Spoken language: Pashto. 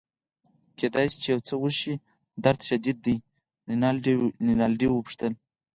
کیدای شي چي یو څه وشي، درد شدید دی؟ رینالډي وپوښتل.